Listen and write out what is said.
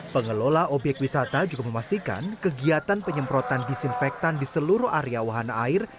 pengelola obyek wisata juga memastikan kegiatan penyemprotan disinfektan di seluruh area wahana air